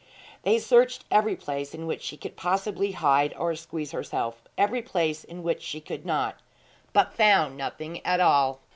They searched every place in which she could possibly hide or squeeze herself, every place in which she could not, but found nothing at all.